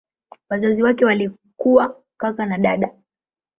Wazazi wake walikuwa kaka na dada.